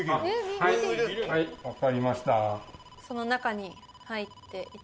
はい分かりました。